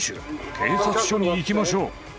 警察署に行きましょう。